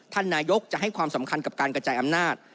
ท่านนายกจะให้ความสำคัญกับการกระจายอำนาจ